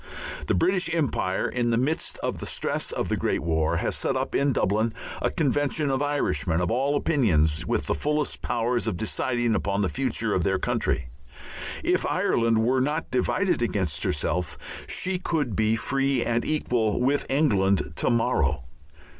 The British Empire, in the midst of the stress of the great war, has set up in Dublin a Convention of Irishmen of all opinions with the fullest powers of deciding upon the future of their country. If Ireland were not divided against herself she could be free and equal with England to morrow.